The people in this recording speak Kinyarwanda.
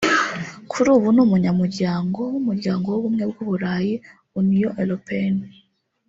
Kuri ubu ni umunyamuryango w’umuryango w’ubumwe bw’Uburayi(Union européenne )